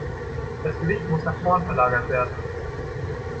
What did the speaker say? Das Gewicht muss nach vorn verlagert werden.